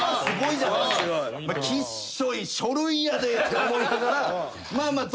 すごいね。